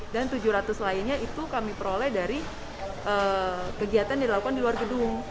dan tujuh ratus lainnya itu kami peroleh dari kegiatan dilakukan di luar gedung